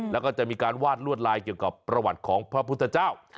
แล้วก็จะมีการวาดลวดลายเกี่ยวกับประวัติของพระพุทธเจ้า